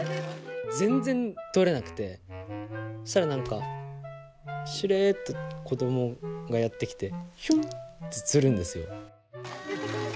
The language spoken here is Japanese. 全然取れなくてそしたら何かしれっと子供がやって来てヒュンって釣るんですよ。